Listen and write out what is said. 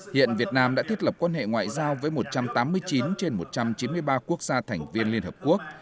hiện việt nam đã thiết lập quan hệ ngoại giao với một trăm tám mươi chín trên một trăm chín mươi ba quốc gia thành viên liên hợp quốc